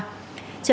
trở lại hồ sơ